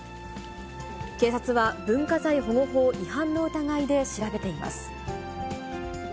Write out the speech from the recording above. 警察は、文化財保護法違反の疑いで調べています。